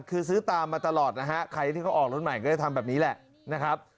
คือซื้อตามมาตลอดนะฮะใครที่เขาออกรถใหม่ก็จะทำแบบนี้แหละนะครับ